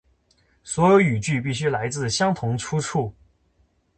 所有语句必须来自相同出处